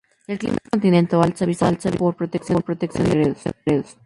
El clima es continental, suavizado por la protección de la sierra de Gredos.